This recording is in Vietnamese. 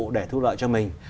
để thu lợi cho mình